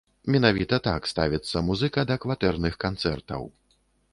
Менавіта так ставіцца музыка да кватэрных канцэртаў.